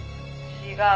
「違う。